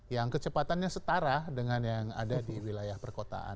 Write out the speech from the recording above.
yang kecepatannya setara dengan yang ada di wilayah perkotaan